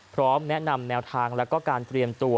พร้อมแนะนำแนวทางแล้วก็การเตรียมตัว